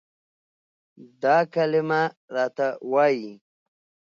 دا کلمه راته وايي،